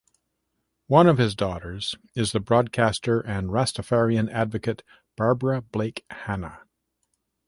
One of his daughters is the broadcaster and Rastafarian advocate Barbara Blake Hannah.